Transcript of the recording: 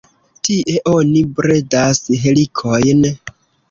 Tie oni bredas helikojn.